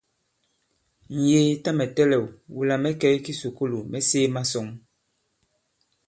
Ǹyēē, tâ mɛ̀ tɛlɛ̂w, wula mɛ̌ kɛ̀ i kisùkulù, mɛ̌ sēē masɔ̌ŋ.